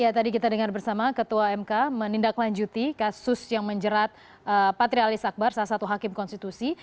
ya tadi kita dengar bersama ketua mk menindaklanjuti kasus yang menjerat patrialis akbar salah satu hakim konstitusi